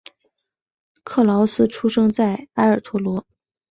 克劳斯出生在埃尔托罗。